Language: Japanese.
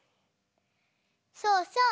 そうそう。